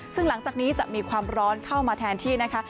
ซึ่งหลังจากนี้จะมีความร้อนเข้ามาแทนที่นะคะ